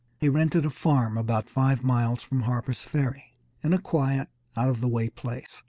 He rented a farm about five miles from Harper's Ferry, in a quiet, out of the way place.